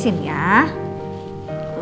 yang membanggakan kamu